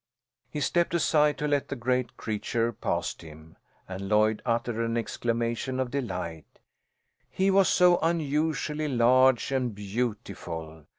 He stepped aside to let the great creature past him, and Lloyd uttered an exclamation of delight, he was so unusually large and beautiful.